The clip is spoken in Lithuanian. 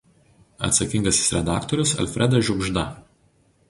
Atsakingasis redaktorius Alfredas Žiugžda.